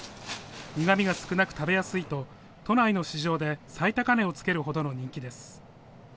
苦みが少なく食べやすいと都内の市場で最高値をつけるほどの人気です。